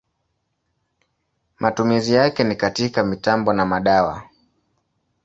Matumizi yake ni katika mitambo na madawa.